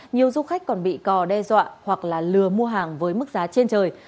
nhiều du khách còn bị cò đe dọa hoặc là lừa mua hàng với mức giá trên trời